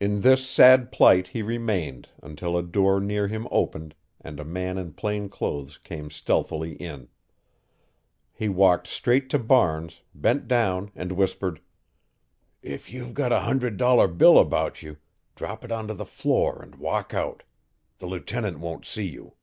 In this sad plight he remained until a door near him opened and a man in plain clothes came stealthily in. He walked straight to Barnes, bent down and whispered: "If you've got a hundred dollar bill about you drop it onto the floor and walk out. The lieutenant won't see you."